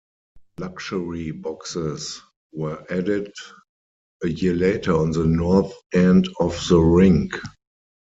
Luxury boxes were added a year later on the north end of the rink.